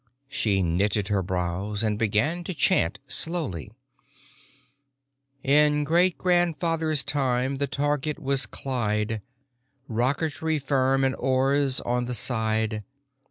She knitted her brows and began to chant slowly: "In great grandfather's time the target was Clyde, Rocketry firm and ores on the side.